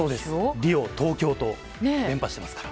リオ、東京と連覇していますから。